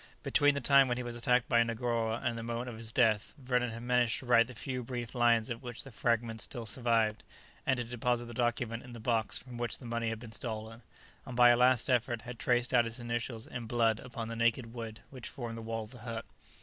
Between the time when he was attacked by Negoro and the moment of his death, Vernon had managed to write the few brief lines of which the fragments still survived, and to deposit the document in the box from which the money had been stolen, and by a last effort had traced out his initials in blood upon the naked wood which formed the wall of the hut.